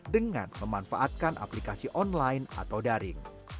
dengan memanfaatkan aplikasi online atau daring